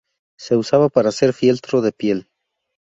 Se usaba para hacer fieltro de piel.